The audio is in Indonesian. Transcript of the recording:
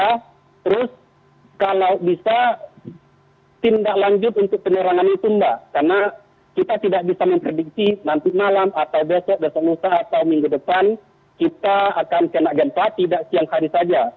ya terus kalau bisa tindak lanjut untuk penyerangan itu mbak karena kita tidak bisa memprediksi nanti malam atau besok besok atau minggu depan kita akan kena gempa tidak siang hari saja